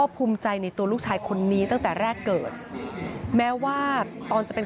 ภูมิใจในตัวลูกชายคนนี้ตั้งแต่แรกเกิดแม้ว่าตอนจะเป็น